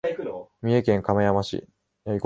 三重県亀山市